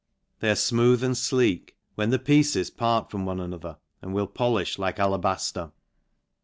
They are fmooth and fleck, when the pieces part from one another, and will polifh like alabafter.